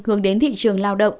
hướng đến thị trường lao động